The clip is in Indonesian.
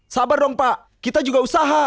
sabar dong pak kita juga usaha